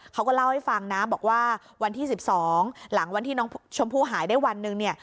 เขาก็เล่าให้ฟังนะบอกว่าวันที่๑๒หลังวันที่น้องชมพู่หายได้วันหนึ่งเนี่ย